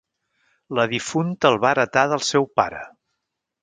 La difunta el va heretar del seu pare.